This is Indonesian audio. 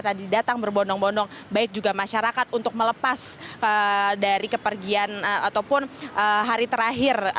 tadi datang berbondong bondong baik juga masyarakat untuk melepas dari kepergian ataupun hari terakhir